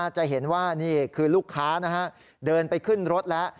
จะเห็นว่านี่คือลูกค้าเดินไปขึ้นรถแล้ว